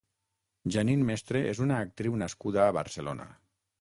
Jeannine Mestre és una actriu nascuda a Barcelona.